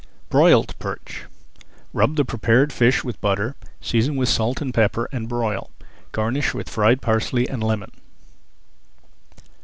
BROILED PERCH Rub the prepared fish with butter, season with salt and pepper, and broil. Garnish with fried parsley and lemon.